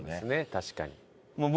確かに。